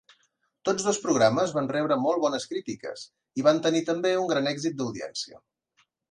Tots dos programes van rebre molt bones crítiques, i van tenir també un gran èxit d'audiència.